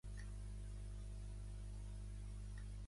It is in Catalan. Va ser Professor visitant de Cambridge, Grenoble i Berkeley.